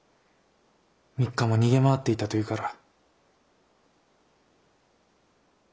３日も逃げ回っていたというから。